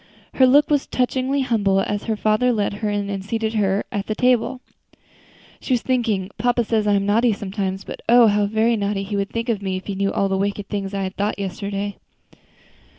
Her look was touchingly humble as her father led her in and seated her at the table. She was thinking, "Papa says I am naughty sometimes, but oh! how very naughty he would think me if he knew all the wicked feelings I had yesterday."